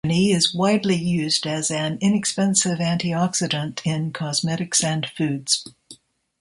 Vitamin E is widely used as an inexpensive antioxidant in cosmetics and foods.